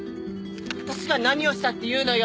私が何をしたって言うのよ！